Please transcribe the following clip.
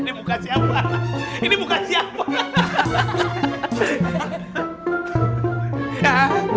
ini bukan siapa ini bukan siapa